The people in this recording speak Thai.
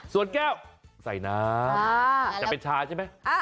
ส่วนแก้วใส่น้ำจะเป็นชาใช่ไหม